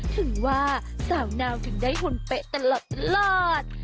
ถึงว่าสาวนาวถึงได้หุ่นเป๊ะตลอด